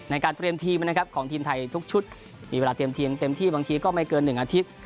ในการเตรียมทีมนะครับของทีมไทยทุกชุดมีเวลาเตรียมทีมเต็มที่บางทีก็ไม่เกิน๑อาทิตย์